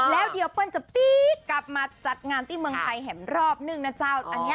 แล้วเดี๋ยวเปิ้ลจะปี๊กกลับมาจัดงานที่เมืองไทยเห็นรอบนึงนะเจ้า